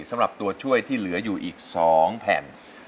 สำหรับตัวช่วยที่เหลืออยู่อีก๒แผ่น